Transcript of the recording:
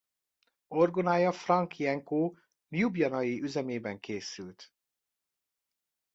Orgonája Franc Jenko ljubljanai üzemében készült.